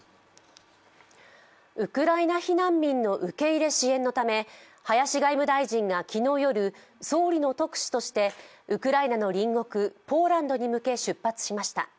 ウクライナ避難民の受け入れ支援のため林外務大臣が昨日夜、総理の特使としてウクライナの隣国ポーランドに向けて出発しました。